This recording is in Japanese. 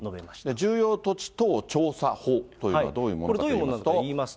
重要土地等調査法というのはどういうものかといいますと。